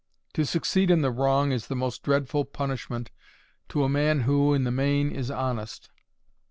To succeed in the wrong is the most dreadful punishment to a man who, in the main, is honest.